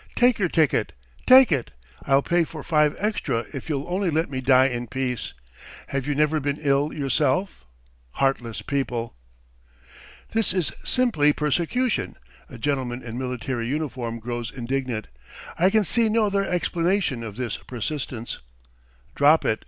Take your ticket. .. take it! I'll pay for five extra if you'll only let me die in peace! Have you never been ill yourself? Heartless people!" "This is simply persecution!" A gentleman in military uniform grows indignant. "I can see no other explanation of this persistence." "Drop it .